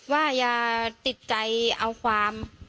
ว่าอย่าติดใจเอาความ